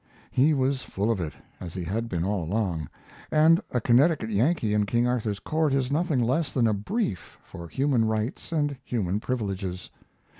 He was full of it, as he had been all along, and 'A Connecticut Yankee in King Arthur's Court' is nothing less than a brief for human rights and human privileges.